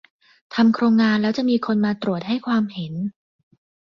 ทำโครงงานแล้วจะมีคนมาตรวจให้ความเห็น